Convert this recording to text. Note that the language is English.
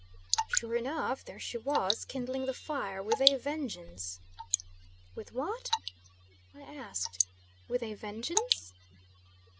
"Sure enough, there she was, kindling the fire with a vengeance." "With what?" I asked. "With a vengeance?"